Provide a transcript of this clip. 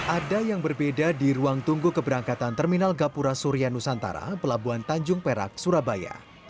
ada yang berbeda di ruang tunggu keberangkatan terminal gapura surya nusantara pelabuhan tanjung perak surabaya